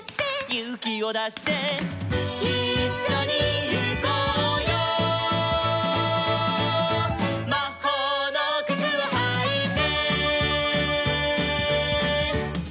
「ゆうきをだして」「いっしょにゆこうよ」「まほうのくつをはいて」